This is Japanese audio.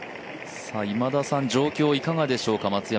今田さん、状況いかがでしょうか、松山